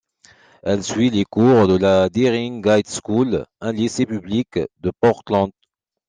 Elle suit les cours de la Deering High School, un lycée public de Portland.